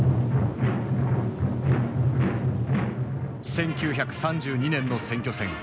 １９３２年の選挙戦。